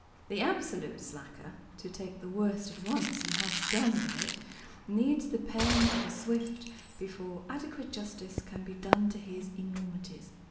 The absolute slacker (to take the worst at once, and have done with it) needs the pen of a Swift before adequate justice can be done to his enormities.